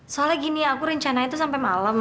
soalnya gini aku rencananya itu sampai malam